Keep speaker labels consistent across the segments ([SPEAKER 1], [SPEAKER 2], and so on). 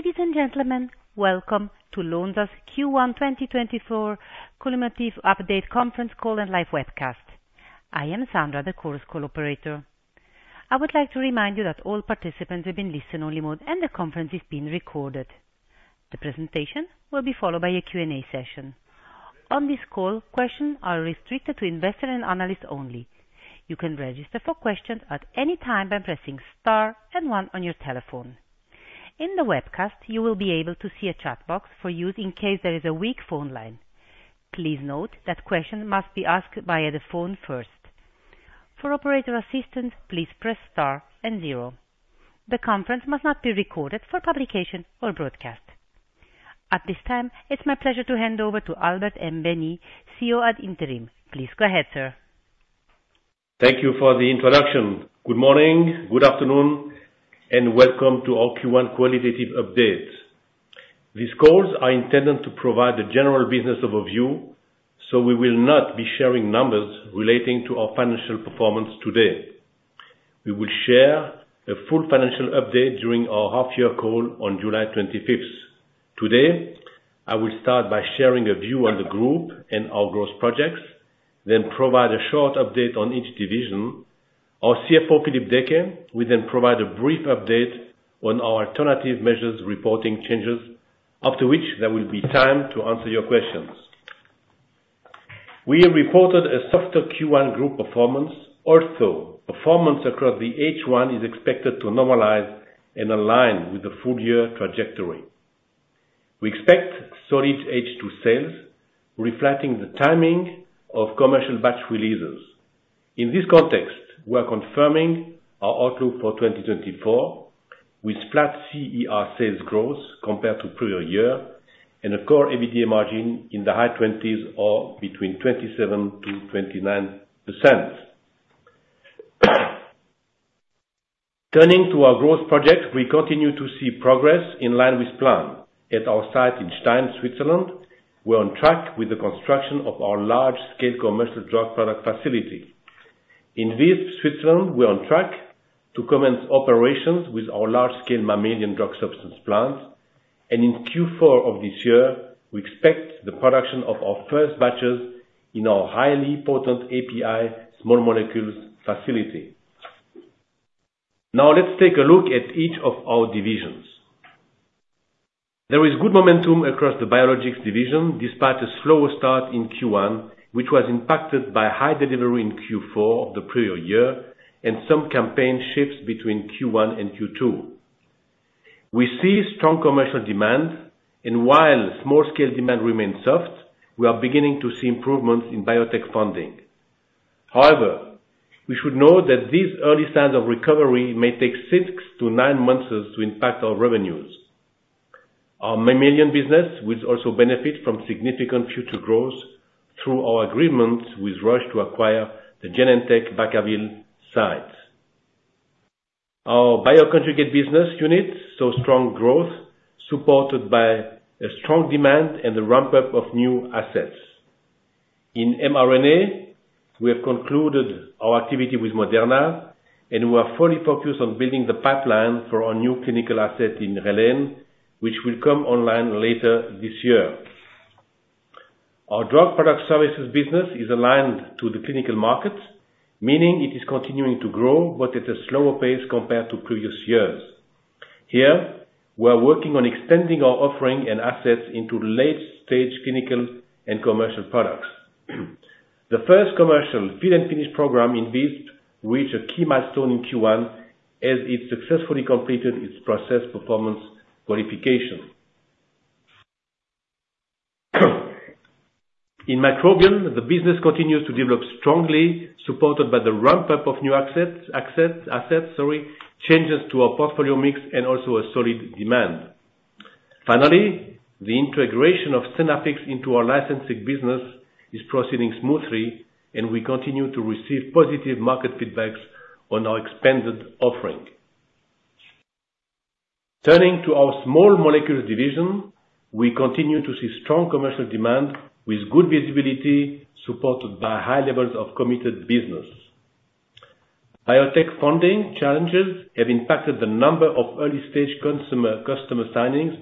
[SPEAKER 1] Ladies and gentlemen, welcome to Lonza's Q1 2024 Qualitative Update Conference Call and Live Webcast. I am Sandra, the call's operator. I would like to remind you that all participants have been placed in listen-only mode, and the conference is being recorded. The presentation will be followed by a Q&A session. On this call, questions are restricted to investors and analysts only. You can register for questions at any time by pressing star and one on your telephone. In the webcast, you will be able to see a chat box for use in case there is a weak phone line. Please note that questions must be asked via the phone first. For operator assistance, please press star and zero. The conference must not be recorded for publication or broadcast. At this time, it's my pleasure to hand over to Albert Baehny, CEO ad interim. Please go ahead, sir.
[SPEAKER 2] Thank you for the introduction. Good morning, good afternoon, and welcome to our Q1 Qualitative Update. These calls are intended to provide a general business overview, so we will not be sharing numbers relating to our financial performance today. We will share a full financial update during our half-year call on July 25th. Today, I will start by sharing a view on the group and our growth projects, then provide a short update on each division. Our CFO, Philippe Deecke, will then provide a brief update on our alternative measures reporting changes, after which there will be time to answer your questions. We reported a softer Q1 group performance, although performance across the H1 is expected to normalize and align with the full-year trajectory. We expect solid H2 sales, reflecting the timing of commercial batch releases. In this context, we are confirming our outlook for 2024 with flat CER sales growth compared to the previous year and a core EBITDA margin in the high 20s or between 27%-29%. Turning to our growth project, we continue to see progress in line with plan. At our site in Stein, Switzerland, we're on track with the construction of our large-scale commercial drug product facility. In Visp, Switzerland, we're on track to commence operations with our large-scale mammalian drug substance plant, and in Q4 of this year, we expect the production of our first batches in our highly potent API small molecules facility. Now, let's take a look at each of our divisions. There is good momentum across the Biologics division, despite a slower start in Q1, which was impacted by high delivery in Q4 of the previous year and some campaign shifts between Q1 and Q2. We see strong commercial demand, and while small-scale demand remains soft, we are beginning to see improvements in biotech funding. However, we should note that these early signs of recovery may take 6-9 months to impact our revenues. Our Mammalian business will also benefit from significant future growth through our agreement with Roche to acquire the Genentech Vacaville site. Our Bioconjugates business unit saw strong growth supported by a strong demand and the ramp-up of new assets. In mRNA, we have concluded our activity with Moderna, and we are fully focused on building the pipeline for our new clinical asset in Geleen, which will come online later this year. Our Drug Product Services business is aligned to the clinical market, meaning it is continuing to grow but at a slower pace compared to previous years. Here, we are working on extending our offering and assets into late-stage clinical and commercial products. The first commercial Fill and Finish program in Visp reached a key milestone in Q1 as it successfully completed its process performance qualification. In Microbial, the business continues to develop strongly, supported by the ramp-up of new assets, changes to our portfolio mix, and also a solid demand. Finally, the integration of Synaffix into our licensing business is proceeding smoothly, and we continue to receive positive market feedback on our expanded offering. Turning to our Small Molecules division, we continue to see strong commercial demand with good visibility supported by high levels of committed business. Biotech funding challenges have impacted the number of early-stage customer signings,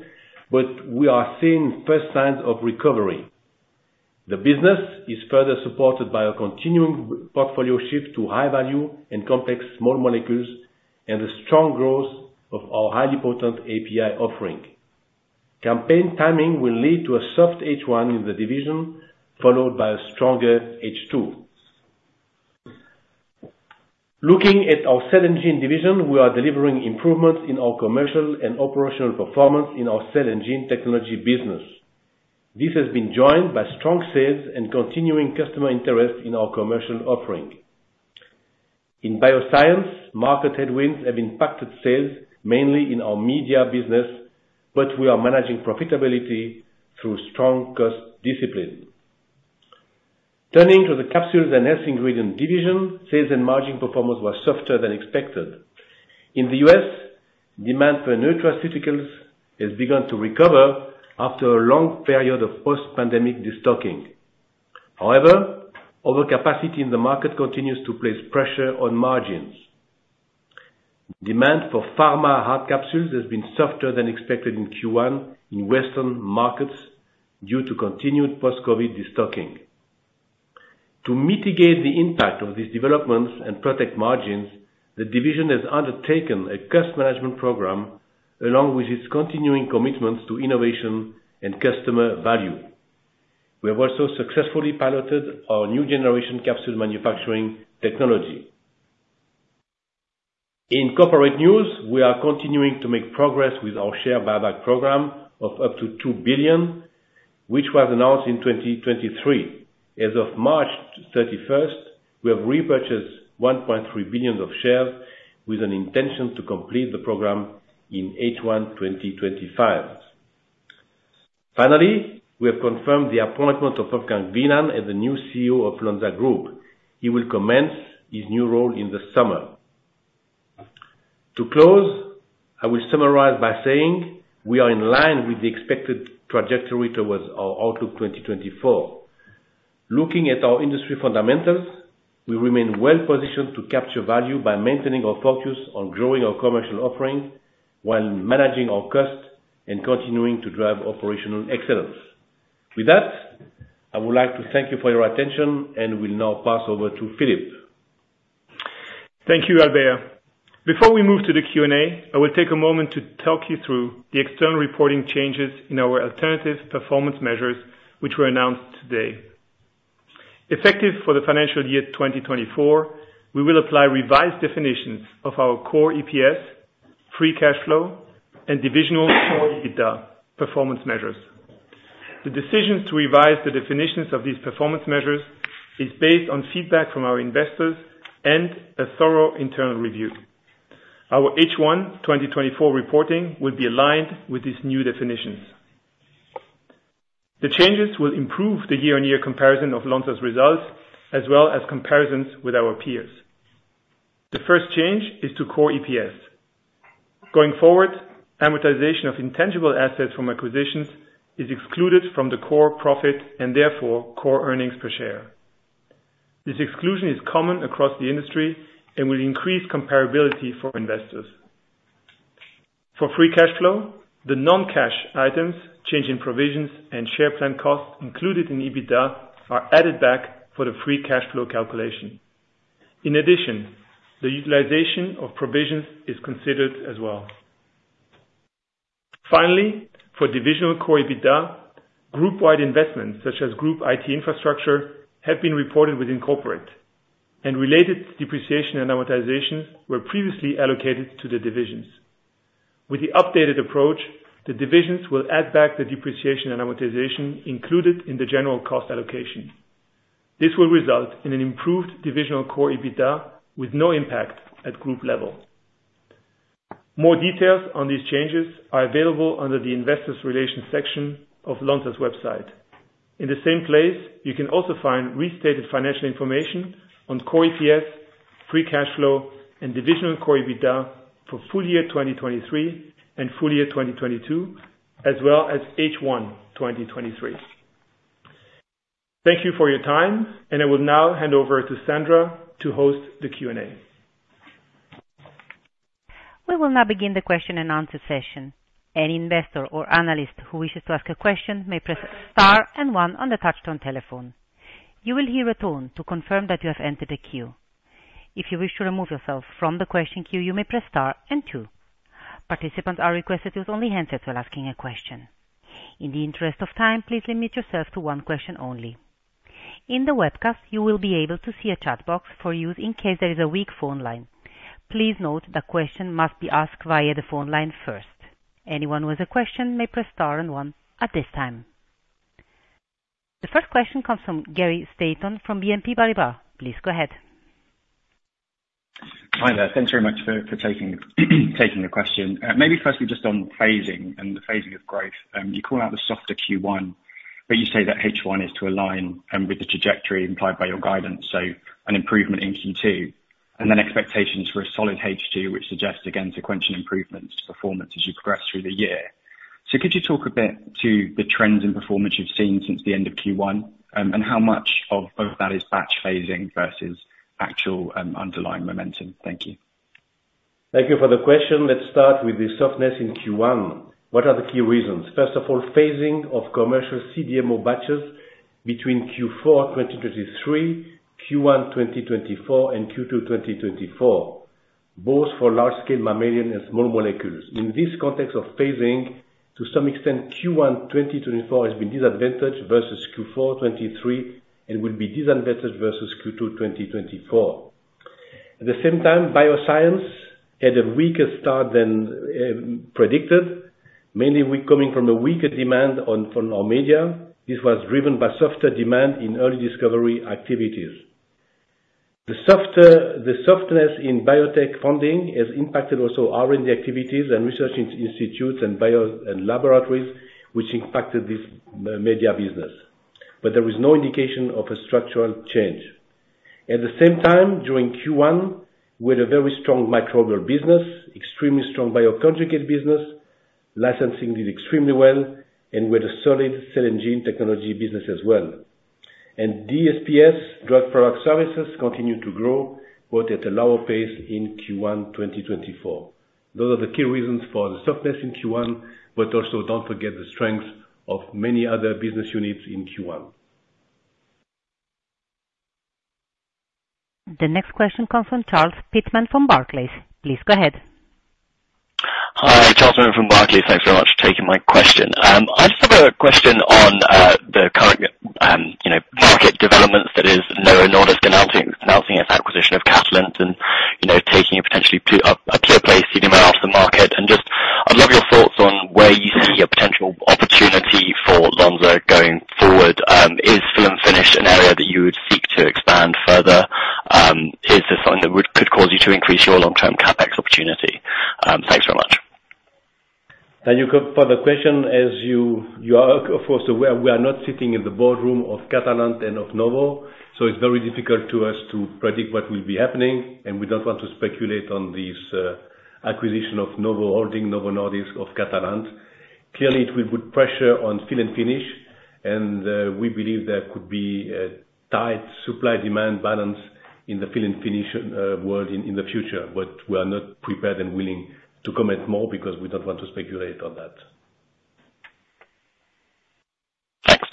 [SPEAKER 2] but we are seeing first signs of recovery. The business is further supported by a continuing portfolio shift to high-value and complex Small Molecules and the strong growth of our highly potent API offering. Campaign timing will lead to a soft H1 in the division, followed by a stronger H2. Looking at our Cell and Gene division, we are delivering improvements in our commercial and operational performance in our Cell and Gene technology business. This has been joined by strong sales and continuing customer interest in our commercial offering. In Bioscience, market headwinds have impacted sales, mainly in our media business, but we are managing profitability through strong cost discipline. Turning to the Capsules and Health Ingredients division, sales and margin performance were softer than expected. In the U.S., demand for nutraceuticals has begun to recover after a long period of post-pandemic destocking. However, overcapacity in the market continues to place pressure on margins. Demand for pharma hard capsules has been softer than expected in Q1 in Western markets due to continued post-COVID destocking. To mitigate the impact of these developments and protect margins, the division has undertaken a cost management program along with its continuing commitments to innovation and customer value. We have also successfully piloted our new generation capsule manufacturing technology. In corporate news, we are continuing to make progress with our share buyback program of up to 2 billion, which was announced in 2023. As of March 31st, we have repurchased 1.3 billion of shares with an intention to complete the program in H1 2025. Finally, we have confirmed the appointment of Wolfgang Wienand as the new CEO of Lonza Group. He will commence his new role in the summer. To close, I will summarize by saying we are in line with the expected trajectory towards our outlook 2024.Looking at our industry fundamentals, we remain well positioned to capture value by maintaining our focus on growing our commercial offering while managing our costs and continuing to drive operational excellence. With that, I would like to thank you for your attention, and we'll now pass over to Philippe.
[SPEAKER 3] Thank you, Albert. Before we move to the Q&A, I will take a moment to talk you through the external reporting changes in our alternative performance measures, which were announced today. Effective for the financial year 2024, we will apply revised definitions of our Core EPS, Free Cash Flow, and divisional Core EBITDA performance measures. The decision to revise the definitions of these performance measures is based on feedback from our investors and a thorough internal review. Our H1 2024 reporting will be aligned with these new definitions. The changes will improve the year-over-year comparison of Lonza's results as well as comparisons with our peers. The first change is to Core EPS. Going forward, amortization of intangible assets from acquisitions is excluded from the core profit and therefore core earnings per share. This exclusion is common across the industry and will increase comparability for investors. For free cash flow, the non-cash items, change in provisions, and share plan costs included in EBITDA are added back for the free cash flow calculation. In addition, the utilization of provisions is considered as well. Finally, for divisional core EBITDA, group-wide investments such as group IT infrastructure have been reported within corporate, and related depreciation and amortizations were previously allocated to the divisions. With the updated approach, the divisions will add back the depreciation and amortization included in the general cost allocation. This will result in an improved divisional core EBITDA with no impact at group level. More details on these changes are available under the investor relations section of Lonza's website. In the same place, you can also find restated financial information on core EPS, free cash flow, and divisional core EBITDA for full year 2023 and full year 2022, as well as H1 2023. Thank you for your time, and I will now hand over to Sandra to host the Q&A.
[SPEAKER 1] We will now begin the question and answer session. Any investor or analyst who wishes to ask a question may press star and one on the touch-tone telephone. You will hear a tone to confirm that you have entered the queue. If you wish to remove yourself from the question queue, you may press star and two. Participants are requested to use only handsets while asking a question. In the interest of time, please limit yourself to one question only. In the webcast, you will be able to see a chat box for use in case there is a weak phone line. Please note that questions must be asked via the phone line first. Anyone who has a question may press star and one at this time. The first question comes from Gary Steventon from BNP Paribas. Please go ahead.
[SPEAKER 4] Hi there. Thanks very much for taking the question. Maybe firstly just on phasing and the phasing of growth. You call out the softer Q1, but you say that H1 is to align with the trajectory implied by your guidance, so an improvement in Q2, and then expectations for a solid H2, which suggests, again, sequential improvements to performance as you progress through the year. So could you talk a bit to the trends in performance you've seen since the end of Q1 and how much of that is batch phasing versus actual underlying momentum? Thank you.
[SPEAKER 2] Thank you for the question. Let's start with the softness in Q1. What are the key reasons? First of all, phasing of commercial CDMO batches between Q4 2023, Q1 2024, and Q2 2024, both for large-scale mammalian and small molecules. In this context of phasing, to some extent, Q1 2024 has been disadvantaged versus Q4 2023 and will be disadvantaged versus Q2 2024. At the same time, Bioscience had a weaker start than predicted, mainly coming from a weaker demand from our media. This was driven by softer demand in early discovery activities. The softness in biotech funding has impacted also R&D activities and research institutes and laboratories, which impacted this media business, but there was no indication of a structural change. At the same time, during Q1, we had a very strong microbial business, extremely strong bioconjugates business, licensing did extremely well, and we had a solid cell and gene technology business as well. DPS, Drug Product Services, continued to grow but at a lower pace in Q1 2024. Those are the key reasons for the softness in Q1, but also don't forget the strengths of many other business units in Q1.
[SPEAKER 1] The next question comes from Charles Pitman from Barclays. Please go ahead.
[SPEAKER 5] Hi, Charles Pitman from Barclays. Thanks very much for taking my question. I just have a question on the current market developments, that is Novo Nordisk announcing its acquisition of Catalent and taking a potentially pure-play CDMO out of the market. And just I'd love your thoughts on where you see a potential opportunity for Lonza going forward. Is fill-and-finish an area that you would seek to expand further? Is this something that could cause you to increase your long-term CapEx opportunity? Thanks very much.
[SPEAKER 2] Thank you for the question. As you are, of course, aware, we are not sitting in the boardroom of Catalent and of Novo, so it's very difficult to us to predict what will be happening, and we don't want to speculate on this acquisition of Novo Holdings, Novo Nordisk, of Catalent. Clearly, it will put pressure on fill-and-finish, and we believe there could be a tight supply-demand balance in the fill-and-finish world in the future, but we are not prepared and willing to commit more because we don't want to speculate on that.
[SPEAKER 5] Thanks.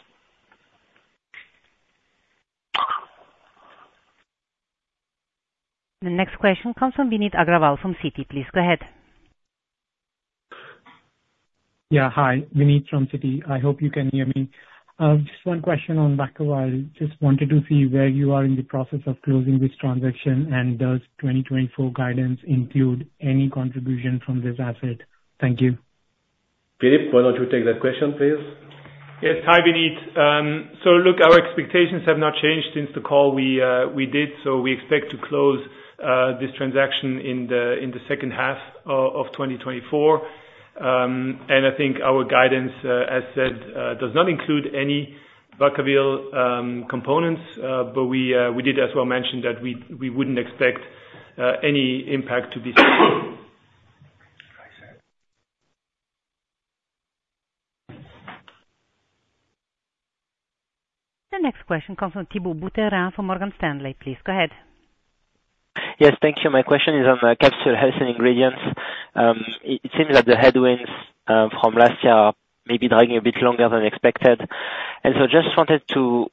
[SPEAKER 1] The next question comes from Vineet Agrawal from Citi. Please go ahead.
[SPEAKER 6] Yeah. Hi, Vineet from Citi. I hope you can hear me. Just one question on Vacaville. Just wanted to see where you are in the process of closing this transaction, and does 2024 guidance include any contribution from this asset? Thank you.
[SPEAKER 2] Philippe, why don't you take that question, please?
[SPEAKER 3] Yes. Hi, Vineet. So look, our expectations have not changed since the call we did, so we expect to close this transaction in the second half of 2024. And I think our guidance, as said, does not include any Vacaville components, but we did as well mention that we wouldn't expect any impact to be seen.
[SPEAKER 1] The next question comes from Thibault Boutherin from Morgan Stanley. Please go ahead.
[SPEAKER 7] Yes. Thank you. My question is on Capsules and Health Ingredients. It seems that the headwinds from last year are maybe dragging a bit longer than expected. And so I just wanted to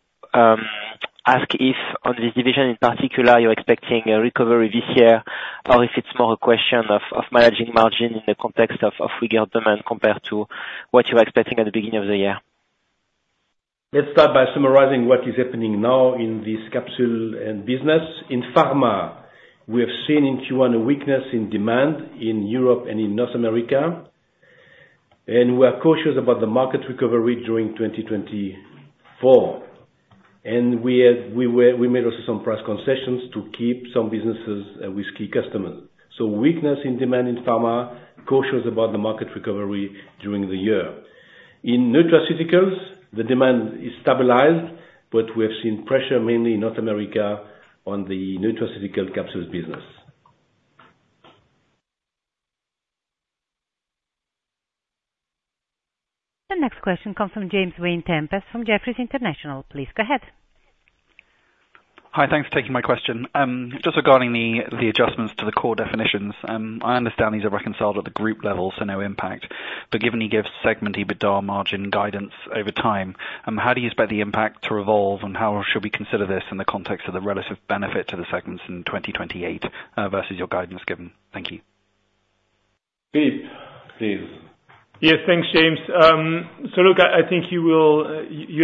[SPEAKER 7] ask if, on this division in particular, you're expecting a recovery this year or if it's more a question of managing margin in the context of weaker demand compared to what you were expecting at the beginning of the year.
[SPEAKER 2] Let's start by summarizing what is happening now in this capsule business. In pharma, we have seen in Q1 a weakness in demand in Europe and in North America, and we are cautious about the market recovery during 2024. We made also some price concessions to keep some businesses with key customers. Weakness in demand in pharma, cautious about the market recovery during the year. In nutraceuticals, the demand is stabilized, but we have seen pressure mainly in North America on the nutraceutical capsules business.
[SPEAKER 1] The next question comes from James Vane-Tempest from Jefferies. Please go ahead.
[SPEAKER 8] Hi. Thanks for taking my question. Just regarding the adjustments to the core definitions, I understand these are reconciled at the group level, so no impact, but given you give segment EBITDA margin guidance over time, how do you expect the impact to evolve, and how should we consider this in the context of the relative benefit to the segments in 2028 versus your guidance given? Thank you.
[SPEAKER 2] Philippe, please.
[SPEAKER 3] Yes. Thanks, James. So look, I think you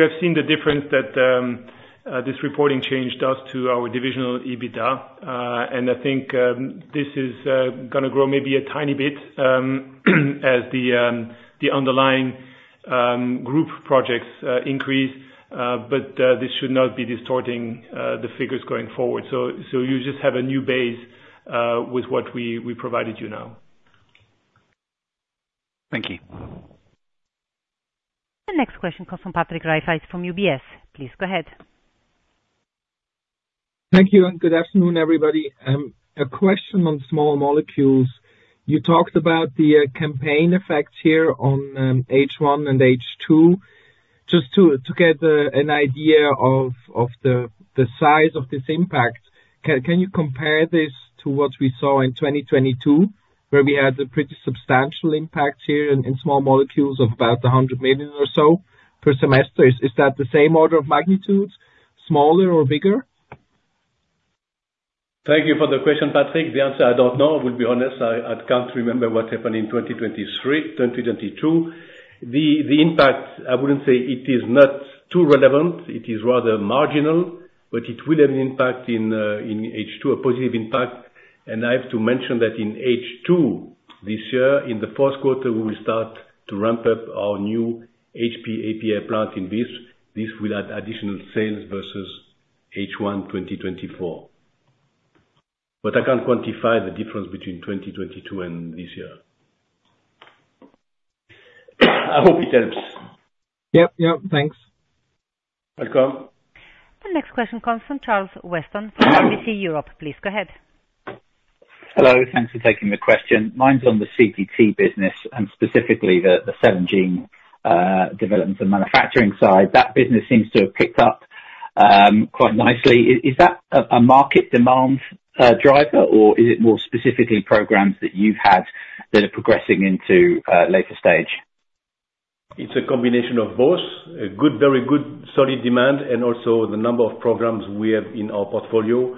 [SPEAKER 3] have seen the difference that this reporting change does to our divisional EBITDA, and I think this is going to grow maybe a tiny bit as the underlying group projects increase, but this should not be distorting the figures going forward. So you just have a new base with what we provided you now.
[SPEAKER 8] Thank you.
[SPEAKER 1] The next question comes from Patrick Rafaisz from UBS. Please go ahead.
[SPEAKER 9] Thank you, and good afternoon, everybody. A question on small molecules. You talked about the campaign effects here on H1 and H2. Just to get an idea of the size of this impact, can you compare this to what we saw in 2022, where we had a pretty substantial impact here in small molecules of about 100 million or so per semester? Is that the same order of magnitude, smaller or bigger?
[SPEAKER 2] Thank you for the question, Patrick. The answer, I don't know. I will be honest. I can't remember what happened in 2023, 2022. The impact, I wouldn't say it is not too relevant. It is rather marginal, but it will have an impact in H2, a positive impact. And I have to mention that in H2 this year, in the fourth quarter, we will start to ramp up our new HPAPI plant in Visp. This will add additional sales versus H1 2024. But I can't quantify the difference between 2022 and this year. I hope it helps.
[SPEAKER 9] Yep. Yep. Thanks.
[SPEAKER 2] Welcome.
[SPEAKER 1] The next question comes from Charles Weston from RBC Europe. Please go ahead.
[SPEAKER 10] Hello. Thanks for taking the question. Mine's on the CGT business and specifically the Cell and Gene developments and manufacturing side. That business seems to have picked up quite nicely. Is that a market demand driver, or is it more specifically programs that you've had that are progressing into later stage?
[SPEAKER 2] It's a combination of both, very good solid demand, and also the number of programs we have in our portfolio.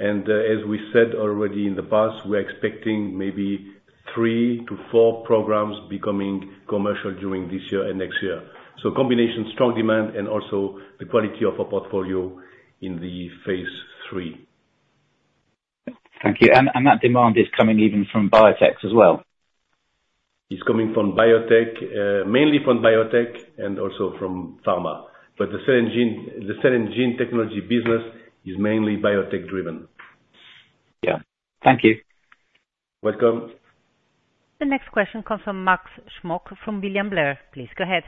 [SPEAKER 2] As we said already in the past, we are expecting maybe 3-4 programs becoming commercial during this year and next year. Combination, strong demand, and also the quality of our portfolio in phase III.
[SPEAKER 10] Thank you. That demand is coming even from biotech as well?
[SPEAKER 2] It's coming mainly from biotech and also from pharma. But the Cell and Gene technology business is mainly biotech-driven.
[SPEAKER 10] Yeah. Thank you.
[SPEAKER 2] Welcome.
[SPEAKER 1] The next question comes from Max Smock from William Blair. Please go ahead.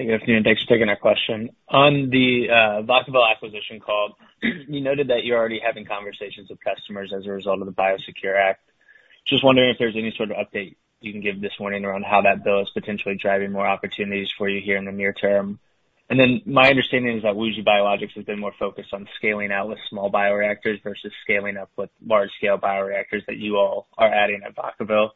[SPEAKER 11] Hey. Good afternoon. Thanks for taking our question. On the Vacaville acquisition call, you noted that you're already having conversations with customers as a result of the Biosecure Act. Just wondering if there's any sort of update you can give this morning around how that bill is potentially driving more opportunities for you here in the near term. And then my understanding is that WuXi Biologics has been more focused on scaling out with small bioreactors versus scaling up with large-scale bioreactors that you all are adding at Vacaville.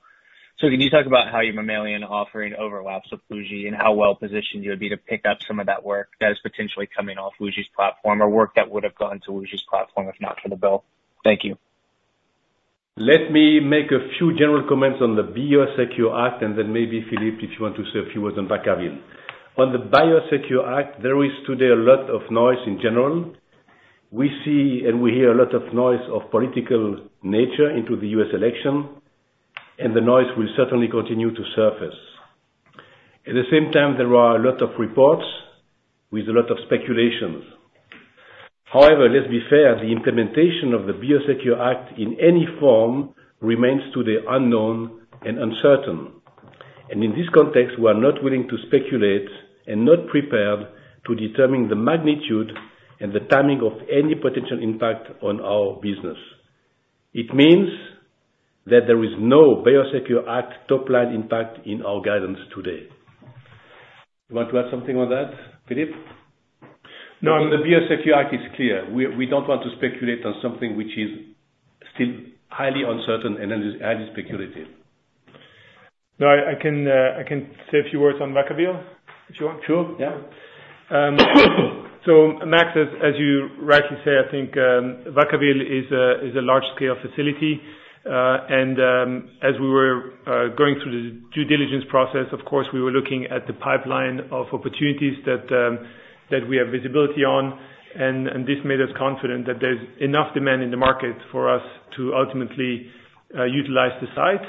[SPEAKER 11] So can you talk about how your mammalian offering overlaps with WuXi and how well positioned you would be to pick up some of that work that is potentially coming off WuXi's platform or work that would have gone to WuXi's platform if not for the bill? Thank you.
[SPEAKER 2] Let me make a few general comments on the Biosecure Act, and then maybe, Philippe, if you want to say a few words on Vacaville. On the Biosecure Act, there is today a lot of noise in general. We see and we hear a lot of noise of political nature into the U.S. election, and the noise will certainly continue to surface. At the same time, there are a lot of reports with a lot of speculations. However, let's be fair, the implementation of the Biosecure Act in any form remains today unknown and uncertain. In this context, we are not willing to speculate and not prepared to determine the magnitude and the timing of any potential impact on our business. It means that there is no Biosecure Act top-line impact in our guidance today. You want to add something on that, Philippe?
[SPEAKER 3] No. The Biosecure Act is clear. We don't want to speculate on something which is still highly uncertain and highly speculative.
[SPEAKER 12] No. I can say a few words on Vacaville if you want.
[SPEAKER 2] Sure. Yeah.
[SPEAKER 12] So Max, as you rightly say, I think Vacaville is a large-scale facility. And as we were going through the due diligence process, of course, we were looking at the pipeline of opportunities that we have visibility on, and this made us confident that there's enough demand in the market for us to ultimately utilize the site.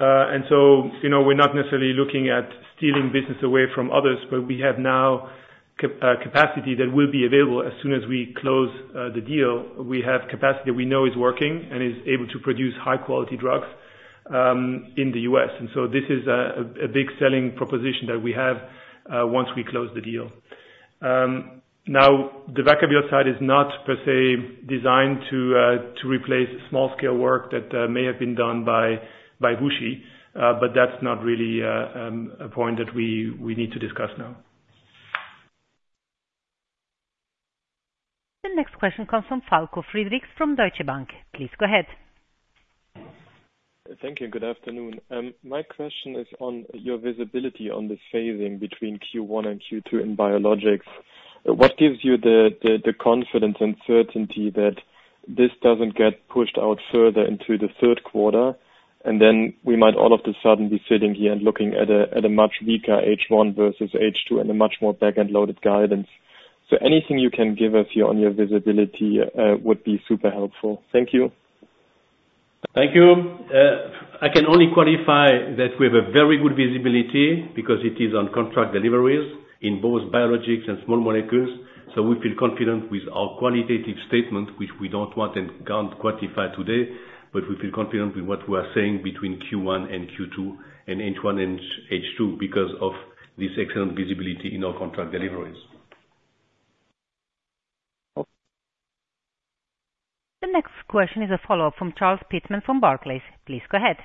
[SPEAKER 12] And so we're not necessarily looking at stealing business away from others, but we have now capacity that will be available as soon as we close the deal. We have capacity that we know is working and is able to produce high-quality drugs in the U.S. And so this is a big selling proposition that we have once we close the deal. Now, the Vacaville site is not per se designed to replace small-scale work that may have been done by WuXi, but that's not really a point that we need to discuss now.
[SPEAKER 1] The next question comes from Falko Friedrichs from Deutsche Bank. Please go ahead.
[SPEAKER 13] Thank you. Good afternoon. My question is on your visibility on the phasing between Q1 and Q2 in biologics. What gives you the confidence and certainty that this doesn't get pushed out further into the third quarter, and then we might all of a sudden be sitting here and looking at a much weaker H1 versus H2 and a much more back-end loaded guidance? So anything you can give us here on your visibility would be super helpful. Thank you.
[SPEAKER 2] Thank you. I can only qualify that we have a very good visibility because it is on contract deliveries in both biologics and small molecules. So we feel confident with our qualitative statement, which we don't want and can't quantify today, but we feel confident with what we are saying between Q1 and Q2 and H1 and H2 because of this excellent visibility in our contract deliveries.
[SPEAKER 1] The next question is a follow-up from Charles Pitman from Barclays. Please go ahead.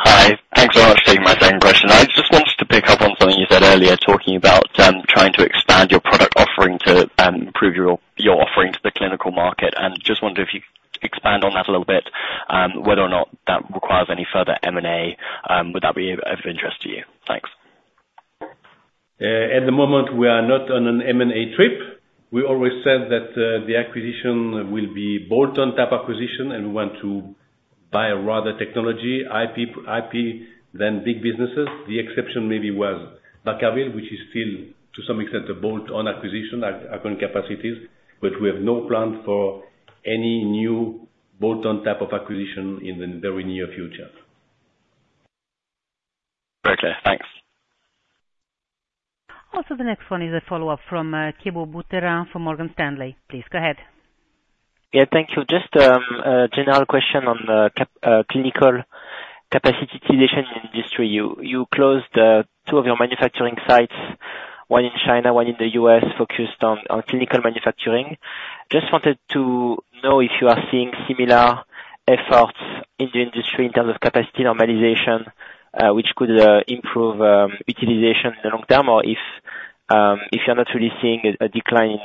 [SPEAKER 5] Hi. Thanks so much for taking my second question. I just wanted to pick up on something you said earlier talking about trying to expand your product offering to improve your offering to the clinical market. And just wondered if you could expand on that a little bit, whether or not that requires any further M&A. Would that be of interest to you? Thanks.
[SPEAKER 2] At the moment, we are not on an M&A trip. We always said that the acquisition will be bolt-on type acquisition, and we want to buy rather technology, IP, than big businesses. The exception maybe was Vacaville, which is still, to some extent, a bolt-on acquisition according to capacities, but we have no plan for any new bolt-on type of acquisition in the very near future.
[SPEAKER 5] Okay. Thanks.
[SPEAKER 1] Also, the next one is a follow-up from Thibault Boutherin from Morgan Stanley. Please go ahead.
[SPEAKER 7] Yeah. Thank you. Just a general question on clinical capacity utilization in the industry. You closed two of your manufacturing sites, one in China, one in the U.S., focused on clinical manufacturing. Just wanted to know if you are seeing similar efforts in the industry in terms of capacity normalization, which could improve utilization in the long term, or if you're not really seeing a decline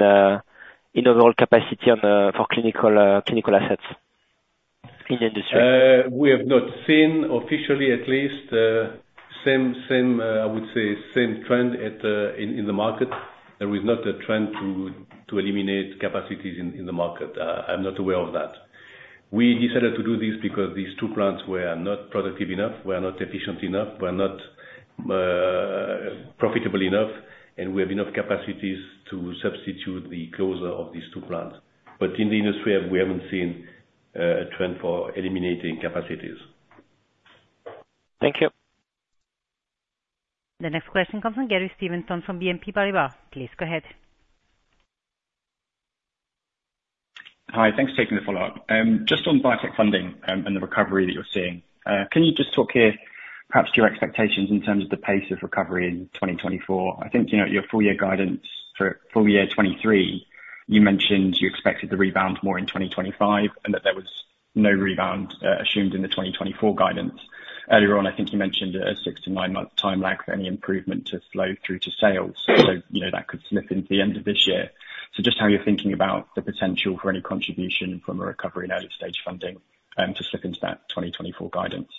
[SPEAKER 7] in overall capacity for clinical assets in the industry?
[SPEAKER 2] We have not seen, officially at least, I would say, same trend in the market. There is not a trend to eliminate capacities in the market. I'm not aware of that. We decided to do this because these two plants were not productive enough, were not efficient enough, were not profitable enough, and we have enough capacities to substitute the closure of these two plants. But in the industry, we haven't seen a trend for eliminating capacities.
[SPEAKER 7] Thank you.
[SPEAKER 1] The next question comes from Gary Steventon from BNP Paribas. Please go ahead.
[SPEAKER 4] Hi. Thanks for taking the follow-up. Just on biotech funding and the recovery that you're seeing, can you just talk here, perhaps, to your expectations in terms of the pace of recovery in 2024? I think your full-year guidance for full-year 2023, you mentioned you expected the rebound more in 2025 and that there was no rebound assumed in the 2024 guidance. Earlier on, I think you mentioned a 6-9-month time lag for any improvement to flow through to sales. So that could slip into the end of this year. So just how you're thinking about the potential for any contribution from a recovery in early-stage funding to slip into that 2024 guidance.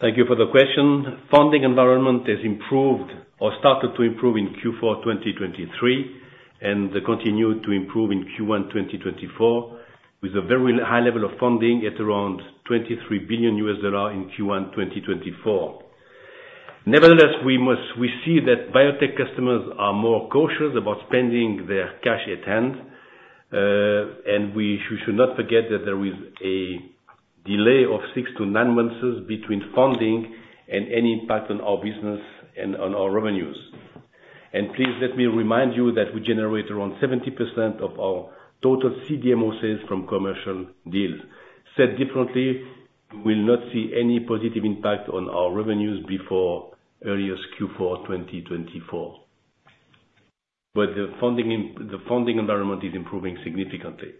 [SPEAKER 2] Thank you for the question. Funding environment has improved or started to improve in Q4 2023 and continued to improve in Q1 2024 with a very high level of funding at around $23 billion in Q1 2024. Nevertheless, we see that biotech customers are more cautious about spending their cash at hand. And we should not forget that there is a delay of 6-9 months between funding and any impact on our business and on our revenues. And please let me remind you that we generate around 70% of our total CDMO sales from commercial deals. Said differently, we will not see any positive impact on our revenues before earliest Q4 2024. But the funding environment is improving significantly.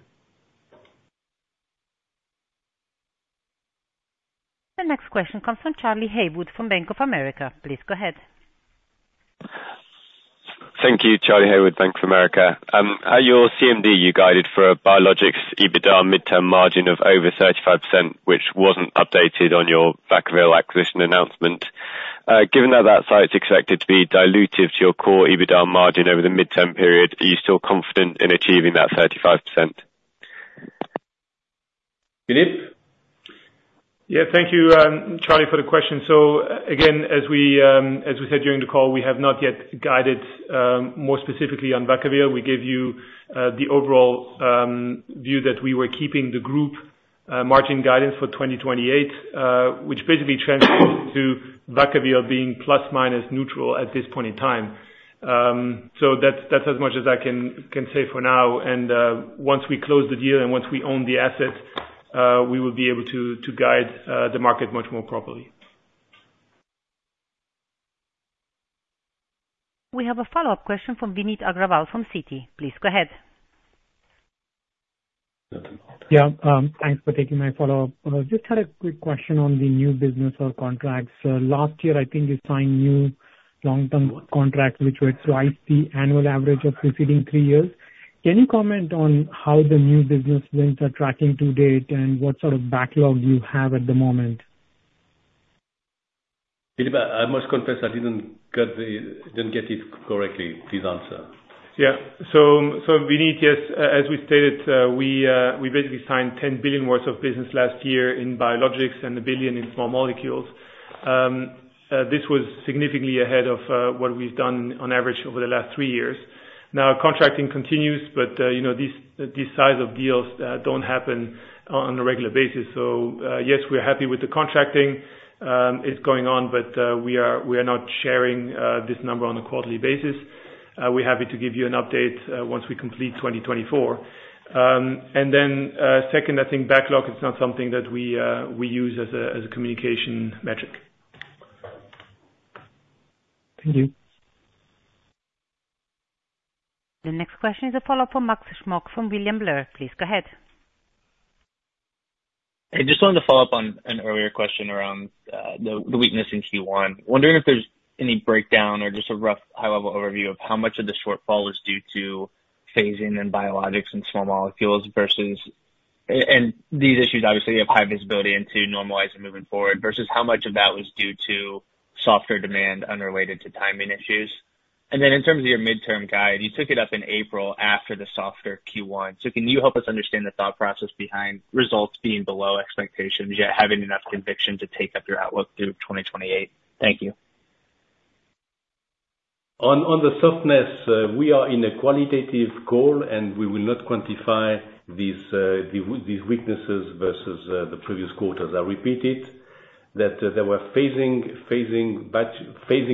[SPEAKER 1] The next question comes from Charlie Haywood from Bank of America. Please go ahead.
[SPEAKER 14] Thank you, Charlie Haywood, Bank of America. At your CMD, you guided for a Biologics EBITDA mid-term margin of over 35%, which wasn't updated on your Vacaville acquisition announcement. Given that that site's expected to be diluted to your core EBITDA margin over the mid-term period, are you still confident in achieving that 35%?
[SPEAKER 2] Philippe?
[SPEAKER 3] Yeah. Thank you, Charlie, for the question. So again, as we said during the call, we have not yet guided more specifically on Vacaville. We gave you the overall view that we were keeping the group margin guidance for 2028, which basically translates to Vacaville being plus-minus neutral at this point in time. So that's as much as I can say for now. And once we close the deal and once we own the asset, we will be able to guide the market much more properly.
[SPEAKER 1] We have a follow-up question from Vineet Agrawal from Citi. Please go ahead.
[SPEAKER 6] Yeah. Thanks for taking my follow-up. Just had a quick question on the new business or contracts. Last year, I think you signed new long-term contracts, which would twice the annual average of preceding three years. Can you comment on how the new business wins are tracking to date and what sort of backlog you have at the moment?
[SPEAKER 2] I must confess, I didn't get it correctly, this answer.
[SPEAKER 3] Yeah. So Vineet, yes. As we stated, we basically signed 10 billion worth of business last year in biologics and 1 billion in small molecules. This was significantly ahead of what we've done on average over the last three years. Now, contracting continues, but these size of deals don't happen on a regular basis. So yes, we're happy with the contracting. It's going on, but we are not sharing this number on a quarterly basis. We're happy to give you an update once we complete 2024. And then second, I think backlog, it's not something that we use as a communication metric.
[SPEAKER 6] Thank you.
[SPEAKER 1] The next question is a follow-up from Max Smock from William Blair. Please go ahead.
[SPEAKER 11] Hey. Just wanted to follow up on an earlier question around the weakness in Q1. Wondering if there's any breakdown or just a rough high-level overview of how much of the shortfall was due to phasing in Biologics and Small Molecules versus and these issues, obviously, you have high visibility into normalizing moving forward versus how much of that was due to softer demand unrelated to timing issues. Then in terms of your mid-term guide, you took it up in April after the softer Q1. Can you help us understand the thought process behind results being below expectations, yet having enough conviction to take up your outlook through 2028? Thank you.
[SPEAKER 2] On the softness, we are in a qualitative goal, and we will not quantify these weaknesses versus the previous quarters. I repeat it, that there were phasing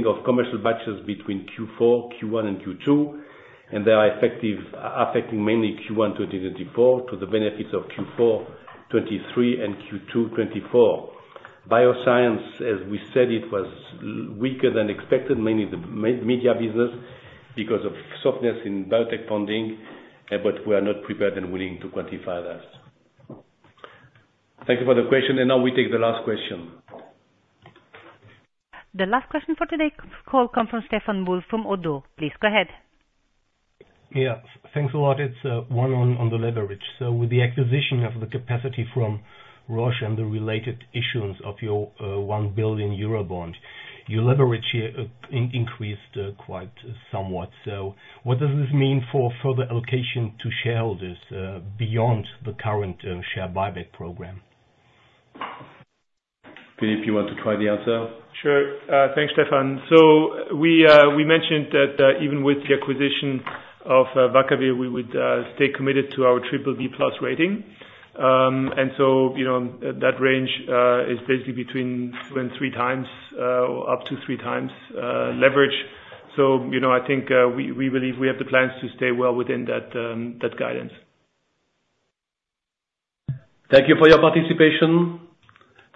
[SPEAKER 2] of commercial batches between Q4, Q1, and Q2, and they are affecting mainly Q1 2024 to the benefits of Q4 2023 and Q2 2024. Bioscience, as we said, it was weaker than expected, mainly the media business, because of softness in biotech funding, but we are not prepared and willing to quantify that. Thank you for the question. And now we take the last question.
[SPEAKER 1] The last question for today's call comes from Stéphane Houri from ODDO. Please go ahead.
[SPEAKER 15] Yeah. Thanks a lot. It's one on the leverage. So with the acquisition of the capacity from Roche and the related issuance of your 1 billion euro bond, your leverage here increased quite somewhat. So what does this mean for further allocation to shareholders beyond the current share buyback program?
[SPEAKER 2] Philippe, you want to try the answer?
[SPEAKER 3] Sure. Thanks, Stéphane. So we mentioned that even with the acquisition of Vacaville, we would stay committed to our triple B-plus rating. And so that range is basically between 2 and 3 times, up to 3 times leverage. So I think we believe we have the plans to stay well within that guidance.
[SPEAKER 2] Thank you for your participation.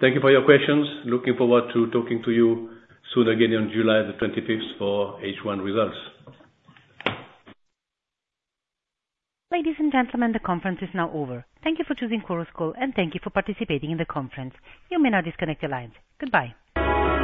[SPEAKER 2] Thank you for your questions. Looking forward to talking to you soon again on July the 25th for H1 results.
[SPEAKER 1] Ladies and gentlemen, the conference is now over. Thank you for joining Lonza's call, and thank you for participating in the conference. You may now disconnect your lines. Goodbye.